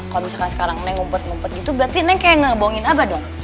kalau misalkan sekarang neng ngumpet ngumpet itu berarti neng seperti membohong abah dong